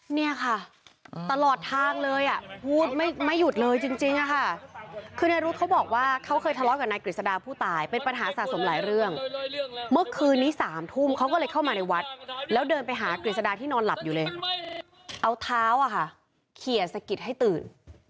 เนี่ยค่ะตลอดทางเลยอ่ะพูดไม่หยุดเลยจริงอะค่ะคือนายรุธเขาบอกว่าเขาเคยทะเลาะกับนายกฤษดาผู้ตายเป็นปัญหาสะสมหลายเรื่องเมื่อคืนนี้๓ทุ่มเขาก็เลยเข้ามาในวัดแล้วเดินไปหากฤษดาที่นอนหลับอยู่เลยเอาเท้าอ่ะค่ะเขียนสะกิดให้ตื่น